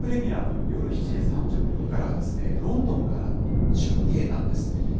ＢＳプレミアム、夜７時３０分からはですね、ロンドンからの中継なんです。